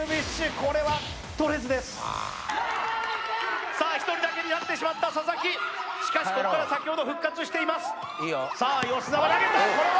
これは取れずですさあ１人だけになってしまった佐々木しかしここから先ほど復活していますさあ吉澤投げたこれは？